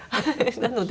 なので。